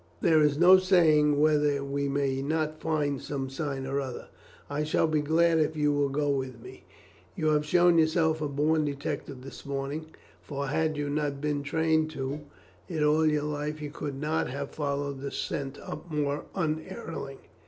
There is no saying whether we may not find some sign or other. I shall be glad if you will go with me; you have shown yourself a born detective this morning, for had you been trained to it all your life you could not have followed the scent up more unerringly."